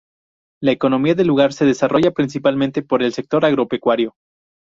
La economía del lugar se desarrolla principalmente por el sector agropecuario.